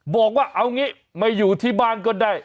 บอกว่าเอางี้มาอยู่ที่บ้านก็ได้